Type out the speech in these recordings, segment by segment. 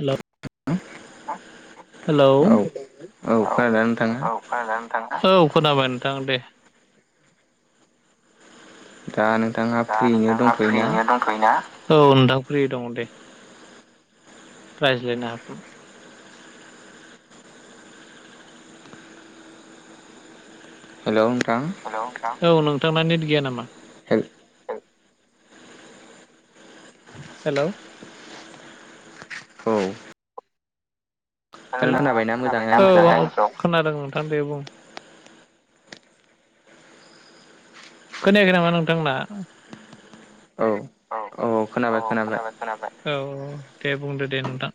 hello औ औ खोनादोंना नोंथाङा औ खोनाबाय नोंथां दे दा नोंथाङा फ्रियैनो दंथयोना औ नोंथां फ्रियै दङ दे रायज्लायनो हागोन हेलौ नोंथां औ नोंथांना नेट गैया नामा हेल हेलौ औ हेल औ आ खोनादों नोंथां दे बुं खोनायाखै नामा नोंथांना औ-औ खोनाबाय खोनाबाय औ दे बुंदो दे नोंथां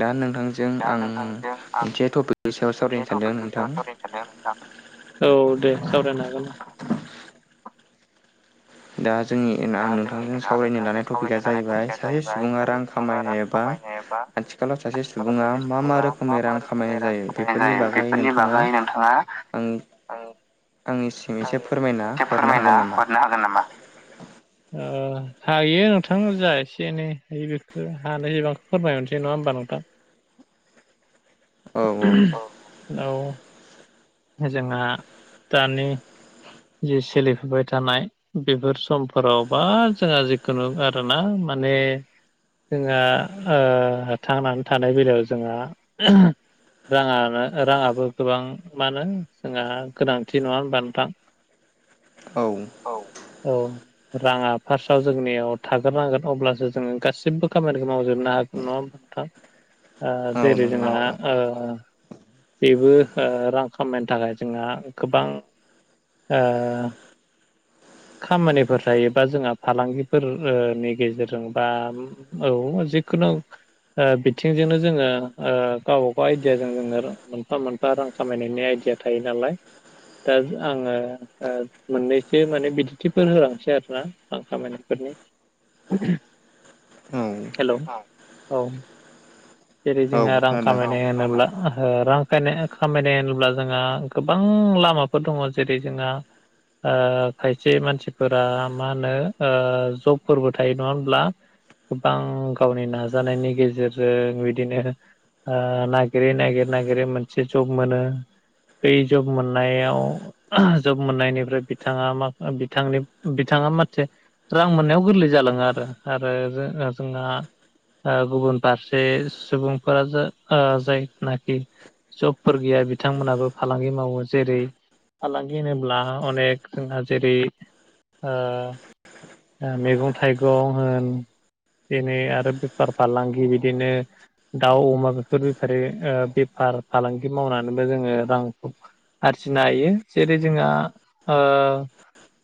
दा नोंथांजों आं मोनसे टपिकनि सायाव सावरायनो सानदों नोंथां [unintelligible] नोंथां औ दे सावरायनो हागोन औ दा जोंनि आं नोंथांजों सावरायनो लानाय टपिकआ जाहैबाय सासे सुबुङा रां खामायनाय एबा आथिखालाव सासे सुबुङा मा मा रोखोमनि रां खामायनाय जायो बेफोरनि बागै नोंथाङा आंनो आं आंनिसिम एसे फोरमायना हरनो हागोन नामा हायो नोंथां जा एसे एनै बेख हानो एसेबां फोरमायहरसै नङा होमबा नोंथां औ जोंहा दानि जे सोलिफुबाय थानाय बेफोर समफोरावबा जोंहा जिखुनु आरोना माने जोंहा ओ थांनानै थानाय बेलायाव जोंहा राङानो राङाबो गोबां मा होनो जोंहा गोनांथि नङा होमबा नोंथां औ-औ राङा फार्स्टआव जोंनियाव थाग्रोनांगोन अब्लासो जोङो गासिबो खामानिखौ मावजोबनो हागोन नङा होमबा जेरै जोंहा ओ बेबो रां खामायनो थाखाय जोंहा गोबां ओ खामानिफोर थायोबा जोंहा फालांगिफोरनि गेजेरजों बा औ जिखुनु बिथिंजोंनो जोङो गावबा गाव आइदियाजों जोङो मोनफा मोन फा रां खामायनायनि आइडिया थायो नालाय दा आङो मोननैसो माने बिदिन्थिफोर होलांसै आरो ना रां खामायनायफोरनि हेल' औ जेरै जोङो रां खामायनाय होनोब्ला ओ रां खाय खामायनाय होनोब्ला जोंहा गोबां लामाफोर दङ जेरै जोंहा ओ खायसे मानसिफोरा मा होनो जबफोरबो थायो नङा होमब्ला गोबां गावनि नाजानायनि गेजेरजों बिदिनो ओ नागिरै नागिर नागिरै मोनसे जब मोनो बे जब मोननायाव जब मोननायनिफ्राय बिथाङा मा बिथांनि बिथाङा माथे रां मोननायाव गोरलै जालाङो आरो आरो जोंना गुबुन फारसे सुबुंफोरा जाय नाखि जबफोर गैया बिथांमोनहाबो फालांगि मावो जेरै फालांगि होनोब्ला अनेक जोंहा जेरै ओ मैगं थाइगं होन दिनै आरो बेफार फालांगि बिदिनो दाउ अमा बेफोर बेफारि बेफार फालांगि मावनानैबो जोङो रांखौ आरजिनो हायो जेरै जोंहा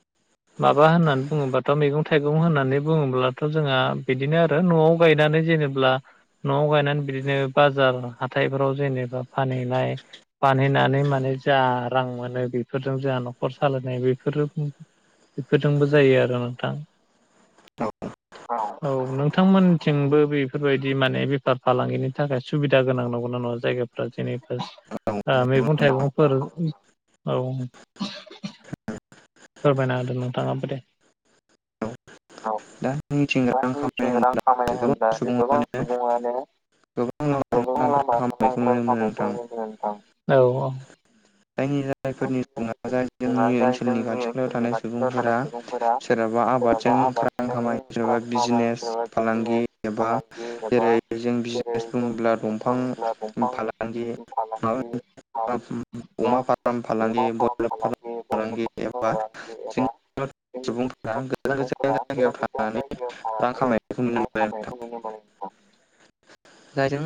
[inaudible] माबा होननानै बुङोब्लाथ' मैगं थाइगं होननानै बुङोब्लाथ' जोंहा बिदिनो आरो न'आव बायनानै जेनेब्ला न'आव गायनानै बिदिनो बाजार हाथायफोराव जेनेबा फानहैनाय फानहैनानै माने जा रां मोनो बेफोरजों जा न'खर सालायनाय बेफोरो [unintelligible] बेफोरजोंबो जायो आरो नोंथां औ औ नोंथांमोनथिंबो बेफोरबायदि माने बेफार फालांगिनि थाखाय सुबिदा गोनां नंगौना नङा जायगाफोरा जेनेबा मैगं थाइगंफोर औ फोरमायना होदो नोंथाङाबो दे औ औ जोंनिथिं रां खामायनाय होनब्ला गोबां सुबुङानो म [unintelligible] नुनो मोनो नोंथां जायनि जा [unintelligible] जायफोर सुबुङा जोंनि ओनसोलनि खाथि खालायाव थानाय सुबुंफोरा सोरहाबा आबादजों खामानि बिजनेस फालांगि एबा जेरै जों बिजनेस बुंब्ला दंफां फालांगि मा [unintelligible] अमा [unintelligible] एबा जों सुबुंफोरा गोजान गोजान जायगायाव थानानै रां खामनायखौ नुनो मोनबाय आरो नोंथां जायजों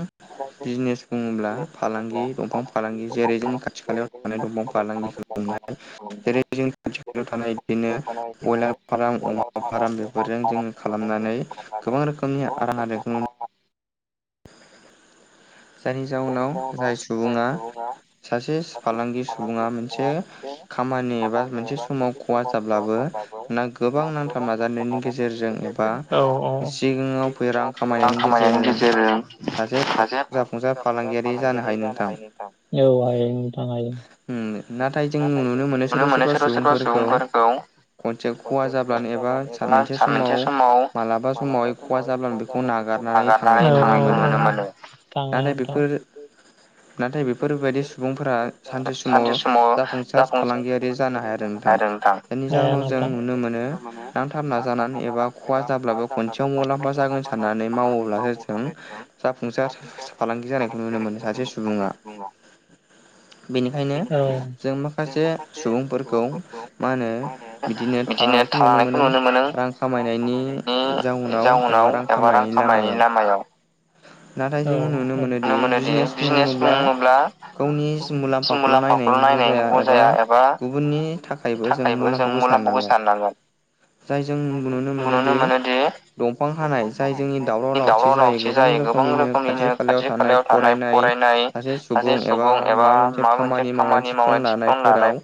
बिजनेस बुङोब्ला फालांगि दंफां फालांगि जेरै जोंनि खाथि खालायाव थानाय दंफां फालांगिनाय जेरै जोंनि खाथियाव थानाय बिदिनो बयलार फाराम अमा फाराम बेफोरजों जोङो खालामनानै गोबां रोखोमनि आ राहा नुनो मोनो जायनि जाउनाव जाय सुबुङा सासे फालांगि सुबुङा मोनसे खामानि एबा मोनसे समाव खहा जाब्लाबो ना गोबां नांथाब नाजानायनि गेजेरजों एबा सिगाङाव रां [unintelligible] खामायनायनि गेजेरजों सासे फा जाफुंसार फालांगारि जानो हायो नोंथां औ हायो नोंथां हायो नाथाय जों नुनो मोनो सोरबा सोरबा सुबुंफोरखौ [unintelligible] से खम जाबोन एबा साबसे समाव मालाबा समाव हागार थाङो औ [unintelligible] बेफोर नाथाय बेफोरबायदि सुबुंफोरा सानसे समाव जाफुंसार फालांगियारि जानो हाया आरो नोंथां नि जाहोनाव जों नुनो मोनो नांथाब नाजानानै एबा खहा जाब्लाबो खनसे जों मुलाम्फा जागोन साननानै मावोब्लासो जों जाफुंसार फालांगि जानायखौ नुनो मोनो सासे सुबुङा नंगौ बेनिखायनो जों माखासे सुबुंफोरखौ मा होनो बिदिनो थालांनायखौ नुनो मोनो रां खामायनायनि जाउनाव एबा रां खामनायनि लामायाव नाथाय जोङो नुनो मोनोदि बिजनेस बुंब्ला बुङोब्ला गुबुन मुलामफाखौल' नायनांगौ जाया एबा गुबुननि थाखायबो जों मुलामफाखौ साननांगोन [unintelligible] जाय जों नुनो मोनोदि दंफां हानाय जाय जोंनि दावराव दावसि जायो गोबां रोखोमनिनो खाथि खालायाव थानाय फरायनाय सासे सुबुं एबा माबा मोनसे खामानि मावनाय थिफुं लानायफोराव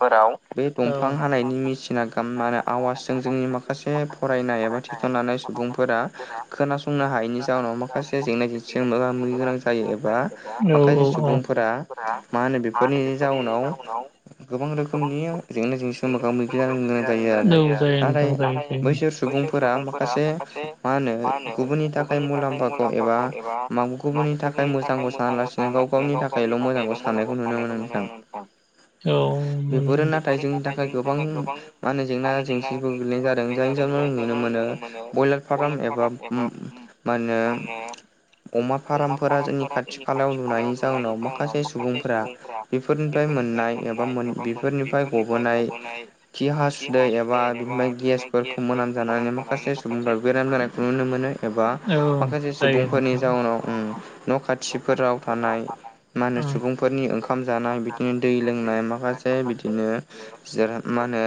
बे दंफां हानायनि मेसिना गोमनाय आवासजों जोंनि माखासे फरायनाय एबा थिसन लानाय सुबुंफोरा खोनासंनो हायैनि जाउनाव माखासे माखासे जेंना जेंसिजों मोगा मोगि गोनां जायो एबा माखासे सुबुंफोरा मा होनो बेफोरनि जाउनाव गोबां रोखोमनि जेंना जेंसिजों मोगा मोगि जानो गोनां जायो आरो नाथाय बैसोर सुबुंफोरा माखासे मा होनो गुबुननि थाखाय मुलामफा एबा गुबुननि थाखाय मोजांखौ सानालासिनो गाव गाव गावनि थाखायल' मोजांखौ साननायखौ नुनो मोनो नोंथां बेफोरो नाथाय जोंनि थाखाय गोबां मा होनो जेंना जेंसि [unintelligible] गोनाय जादों जायनि जाहोनाव नुनो मोनो ब्रयलार फाराम एबा मा होनो अमा फारामफोरा जोंनि खाथि खालायाव लुनानै जाउनाव माखासे सुबुंफोरा बेफोरनिफ्राय मोननाय एबा बेफोरनिफ्राय निफ्राय गबोनाय खि हासुदै एबा बिनिफ्राय गेसफोरखौ मोनामजानानै माखासे सुबुंफ्रा बेराम जानायखौ नुनो मोनो एबा माखासे सुबुंफोरनि जाउनाव ओम न' खाथिफोराव थानाय मा होनो सुबुंफोरनि ओंखाम जानाय बिदिनो दै लोंनाय माखासे बिदिनो जेरै मा होनो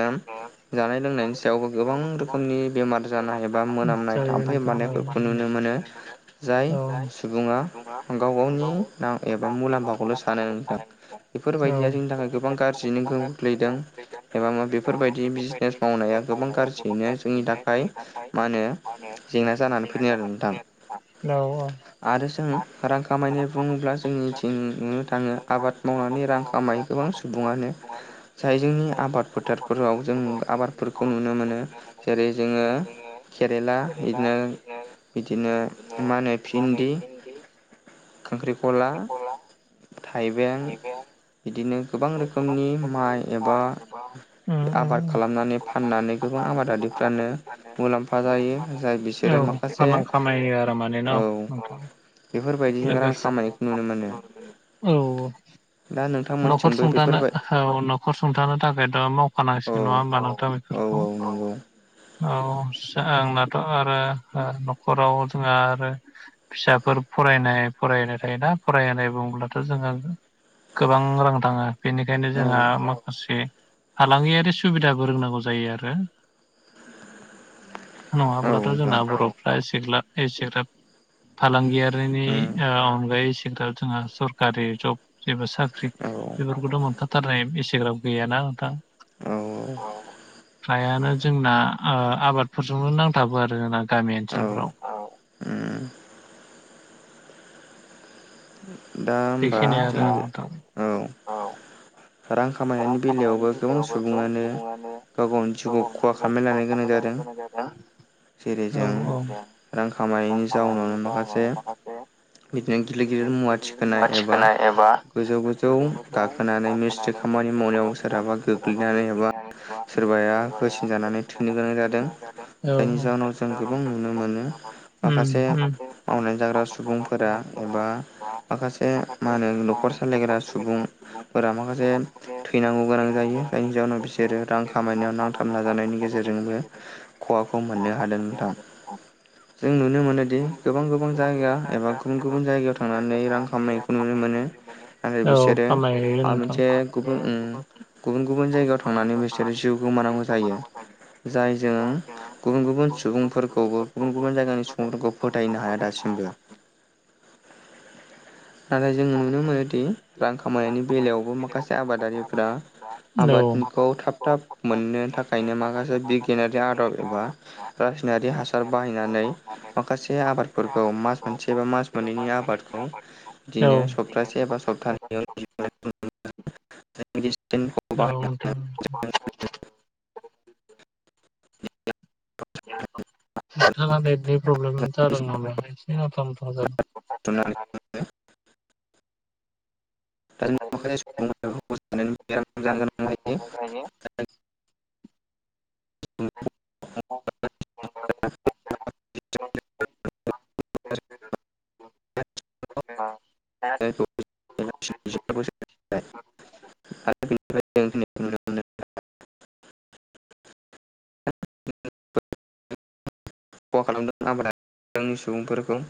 जानाय लोंनायनि सायावबो गोबां रोखोमनि बेमार जानाय एबा मोनामनाय थामफै बानायफोरखौ नुनो मोनो जाय सुबुङा गाव गावनि एबा मुलामफाखौल' सानो नोंथां बेफोरबायदिया जोंनि थाखाय गोबां गाज्रियैनो गोहोम‌ गोग्लैदों एबा बेफोरबायदि बिजनेस मावनाया गोबां गाज्रियैनो जोंनि थाखाय मा होनो जेंना जानानै फैनो आरो नोंथां औ औ आरो जों रां खामायनाय बुङोब्ला जोंनिथिंनो थाङो आबाद मावनानै रां खामायो गोबां सुबुङानो जाय जोंनि आबाद फोथारफोराव जों आबादफोरखौ नुनो मोनो जेरै जोङो केरेला बिदिनो बिदिनो मा होनो भिन्दि खांख्रिखला थाइबें बिदिनो गोबां रोखोमनि माइ एबा बा उम उम उम औ रां खामायो आरो माने न औ बेफोरबायदिजों रां खामा औ औ न'खर सुंथानो औ न'खर सुंथानो था खाय दा मावखानांसिगोन नङा होमबा नोंथा बेफोरखौ औ आंनाथ' आरो न'खराव जोंहा आरो फिसाफोर फरायनाय फरायनाय थायोना फरायहाय बुङब्लाथ' जोङो गोबां रां थाङो बेनिखायनो जोंहा माखासे फालांगियारि सुबिदाबो रोंनांगौ जायो आरो नङाब्लाथ' जोंना बर'फ्रा एसेग्लाब एसेग्राब फालांगियारिनि अनगायै सिग्राव जोंहा सरकारि जब जबा साख ख्रि बेफोरखौथ' मोनथाथारनाय एसेग्राब गैयाना नोंथां फ्रायानो जोंना आबादफोरजोंबो नांथाबो आरो जोंना गामि ओनसोलफोराव दा होमबा जों औ रां खामायनायनि बेलायावबो गोबां सुबुङानो गाव गावनि जिउखौ खहा खालामनानै लानो गोनां जादों [unintelligible] जेरै जों रां खामायनायनि जाउनावनो माखासे बिदिनो गिदिर गिदिर मुवा थि खोनाय एबा गोजौ गोजौ गाखोनानै मिस्टक खामानि नि मावनायाव सोरहाबा गोग्लैनानै एबा सोरबाया होसिनजानानै थैनो गोनां जादों जायनि जाहोनाव जों गोबां नुनो मोनो माखासे मावनानै जाग्रा सु सुबुंफोरा एबा माखासे मा होनो न'खर सालायग्रा सुबुंफोरा माखासे थैनांगौ गोनां जायो जायनि जााहोनाव बिसोरो रां खामायनायाव नांथाब नाजानायनि गेजेरजोंबो खहाखौ मोननो हादों नोंथां जों नुनो मोनोदि गोबां गोबां जायगा एबा गुबुन गुबुन जायगायाव थांनानै रां खामनायखौ नुनो मोनो नाथाय बिसोरो मोनसे गुबुन गुबुन गुबुन जायगायाव थांनानै बिसोरो जिउ गोमानांगौ जायो जायजों गुबुन गुबुन सुबुंफोरखौबो गुबुन गुबुन जायगानि सुबुंफोरखौ फोथायनो हाया दासिमबो नाथाय जोङो नुनो मोनोदि रां खामायनायनि बेलायावबो माखासे आबादारिफ्रा आबादखौ थाब थाब मोननो थाखायनो माखासे बिगियानारि आदब एबा रासायनारि हासार बाहायनानै माखासे आबादफोरखौ मास मोनसे एबा मास मोनैनि आबादखौ बिदिनो सप्तासे एबा सप्तानैआवनो औ नोंथां [inaudible] नोंथाङा नेटनि प्रब्लेम जादों नालाय एसे नांथा नांथा जादों [unintelligible] [unintelligible] [unintelligible] [unintelligible] [unintelligible] [unintelligible] खहा खालामदों आबादा जोंनि सुबुंफोरखौ